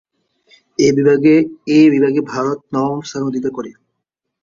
এই বিভাগে ভারত নবম স্থান অধিকার করে।